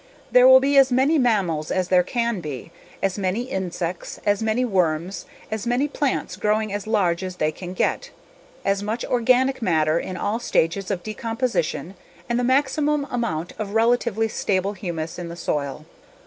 There will be as many mammals as there can be, as many insects, as many worms, as many plants growing as large as they can get, as much organic matter in all stages of decomposition and the maximum amount of relatively stable humus in the soil.